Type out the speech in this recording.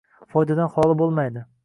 foydadan xoli bo‘lmaydi.